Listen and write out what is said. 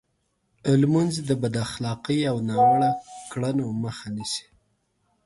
لمونځ د بد اخلاقۍ او ناوړو کړنو مخه نیسي.